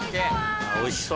おいしそう。